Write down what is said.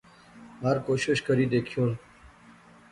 ہر کوشش کری دیکھیون